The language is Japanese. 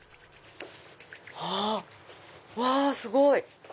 うわすごい！